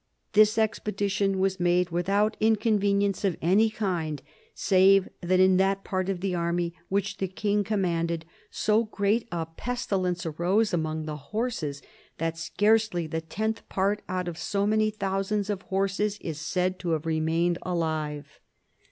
This expedition was made without inconvenience of any kind, save that in that part of the army which the king commanded, so great a pestilence arose among the horses that scarcely the tenth part out of so many thousands of horses is said to have remained alive."